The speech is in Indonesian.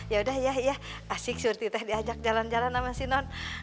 yaudah iya iya asik surti teh diajak jalan jalan sama si non